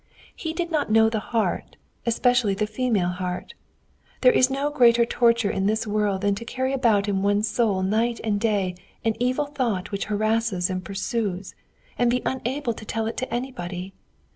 He did not know the heart, especially the female heart. There is no greater torture in this world than to carry about in one's soul night and day an evil thought which harasses and pursues, and be unable to tell it to anybody.